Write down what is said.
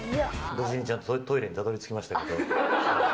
無事にトイレにたどりつきましたけど。